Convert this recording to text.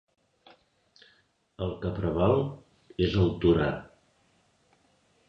El que preval és el Torà.